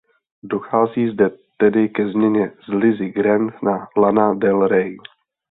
Dochází zde tedy ke změně z Lizzy Grant na Lana Del Ray.